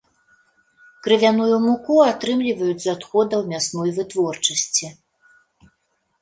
Крывяную муку атрымліваюць з адходаў мясной вытворчасці.